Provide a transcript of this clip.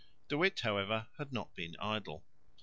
De Witt, however, had not been idle.